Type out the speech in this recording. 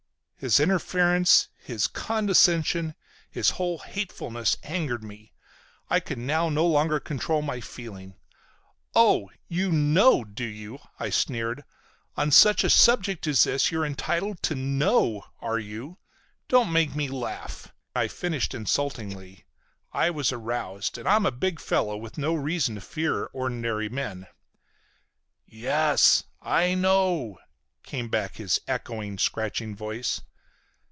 His interference, his condescension, his whole hatefulness angered me. I could now no longer control my feeling. "Oh! You know, do you?" I sneered. "On such a subject as this you're entitled to know, are you? Don't make me laugh!" I finished insultingly. I was aroused. And I'm a big fellow, with no reason to fear ordinary men. "Yes, I know!" came back his echoing, scratching voice.